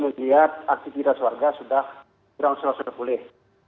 kita lihat aktivitas warga sudah kurang selesai boleh